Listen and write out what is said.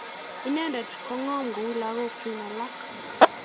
Inendet kong'om kou lakok chun alak